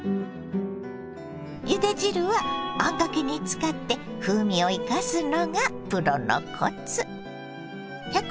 ゆで汁はあんかけに使って風味を生かすのがプロのコツ。